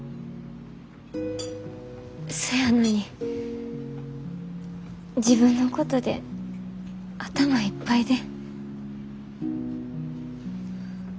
そやのに自分のことで頭いっぱいで。